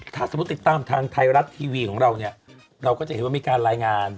ถ้าสมมุติติดตามทางไทยรัฐทีวีของเราเนี่ยเราก็จะเห็นว่ามีการรายงาน